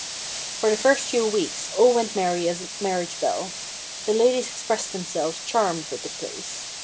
For the first few weeks all went merry as a marriage bell. The ladies expressed themselves charmed with the place.